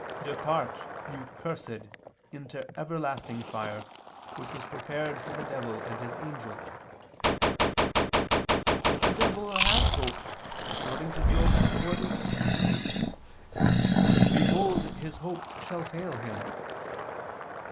. you cursed, into everlasting fire, which was prepared for the devil and his angels." But the devil has hope, according to Job 40:28, "Behold his hope shall fail him."